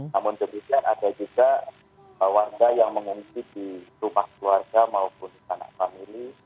namun demikian ada juga warga yang mengungsi di rumah keluarga maupun anak famili